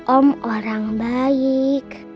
om orang baik